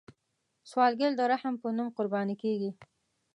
سوالګر د رحم په نوم قرباني کیږي